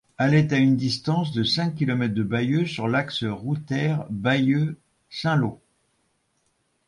Elle est à une distance de cinq kilomètres de Bayeux sur l'axe router Bayeux-Saint-Lô.